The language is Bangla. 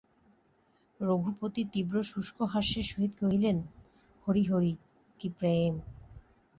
রঘুপতি তীব্র শুষ্ক হাস্যের সহিত কহিলেন, হরি হরি, কী প্রেম!